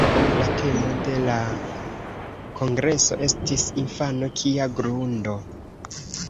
La temo de la kongreso estis "Infano: kia grundo!".